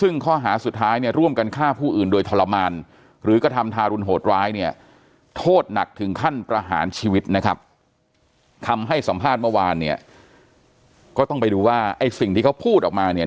ในสัมภาษณ์เมื่อวานเนี่ยก็ต้องไปดูว่าไอ้สิ่งที่เขาพูดออกมาเนี่ย